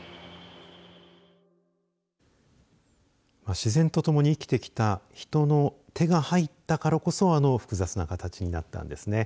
自然とともに生きてきた人の手が入ったからこそあの複雑な形になったんですね。